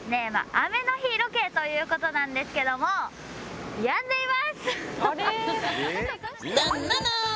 雨の日ロケということなんですけどもぬっぬぬ。